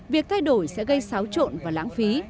việc thay đổi sẽ gây xáo trộn và lãng phí